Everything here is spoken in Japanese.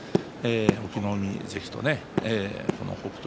隠岐の海関とね北勝